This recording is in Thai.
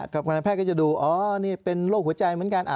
กรรมการแพทย์ก็จะดูอ๋อนี่เป็นโรคหัวใจเหมือนกัน